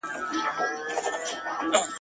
چي ناڅاپه زرکي جګه کړله غاړه ..